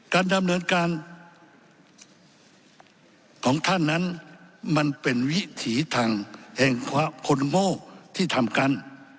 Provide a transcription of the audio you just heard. การดำเนินการของท่านนั้นมันเป็นวิถีทางแห่งความคนโง่ที่ทำกัน